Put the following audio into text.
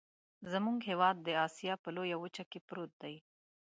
زمونږ هیواد د اسیا په لویه وچه کې پروت دی.